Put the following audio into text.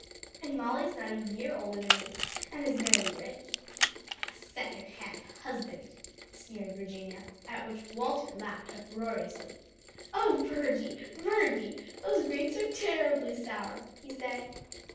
"And Molly's not a year older than you, and has married rich." "A second hand husband!" sneered Virginia; at which Walter laughed uproariously. "O Virgie, Virgie, those grapes are terribly sour!" he said.